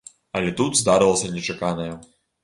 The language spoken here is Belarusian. Але тут здарылася нечаканае.